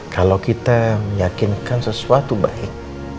kalau kita meyakinkan sesuatu baik